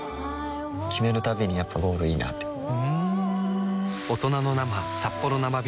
決めるたびにやっぱゴールいいなってふん男性）